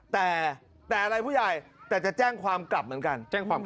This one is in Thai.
แต่แต่อะไรผู้ใหญ่แต่จะแจ้งความกลับเหมือนกันแจ้งความกลับ